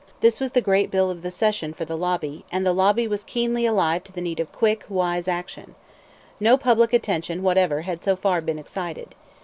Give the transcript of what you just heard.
This was the great bill of the session for the lobby; and the lobby was keenly alive to the need of quick, wise action. No public attention whatever had so far been excited.